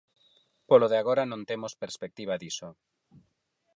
Polo de agora non temos perspectiva diso.